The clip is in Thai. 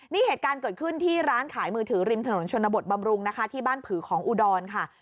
นี่เหตุการณ์เกิดขึ้นที่ร้านขายมือถือริมถนนชนบทบำรุงนะคะที่บ้านผือของอุดรค่ะ